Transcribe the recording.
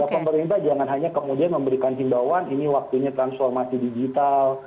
pemerintah jangan hanya kemudian memberikan himbauan ini waktunya transformasi digital